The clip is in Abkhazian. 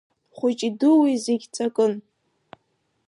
Хәыҷи дуи зегь ҵакын.